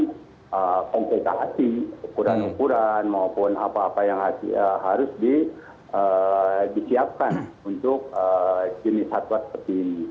kita akan melakukan pengkultasasi ukuran ukuran maupun apa apa yang harus disiapkan untuk jenis satwa seperti ini